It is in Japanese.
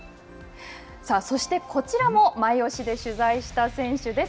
そしてこちらもマイオシで取材した選手です。